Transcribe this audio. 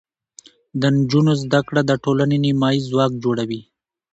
د نجونو زده کړه د ټولنې نیمایي ځواک جوړوي.